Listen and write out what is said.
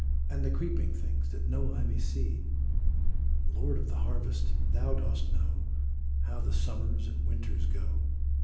And the creeping things that no eye may see. 308 THE FALLOW FIELD Lord of the harvest, thou dost know How the summers and winters go.